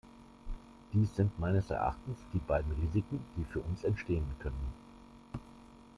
Dies sind meines Erachtens die beiden Risiken, die für uns entstehen können.